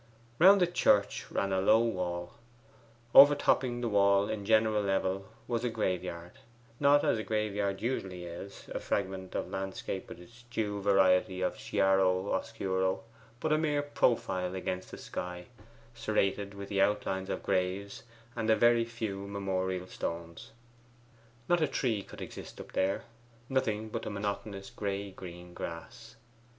Round the church ran a low wall; over topping the wall in general level was the graveyard; not as a graveyard usually is, a fragment of landscape with its due variety of chiaro oscuro, but a mere profile against the sky, serrated with the outlines of graves and a very few memorial stones. Not a tree could exist up there: nothing but the monotonous gray green grass.